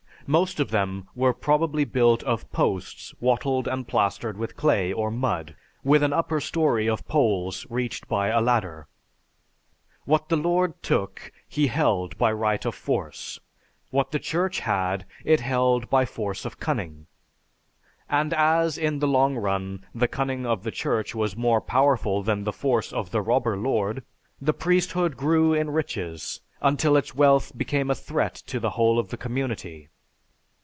Most of them were probably built of posts wattled and plastered with clay or mud, with an upper storey of poles reached by a ladder." "What the lord took he held by right of force; what the Church had it held by force of cunning. And as, in the long run, the cunning of the Church was more powerful than the force of the robber lord, the priesthood grew in riches until its wealth became a threat to the whole of the community.